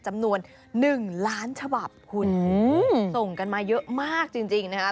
จำนวนหนึ่งล้านฉบับคุณส่งกันมาเยอะมากจริงจริงนะฮะ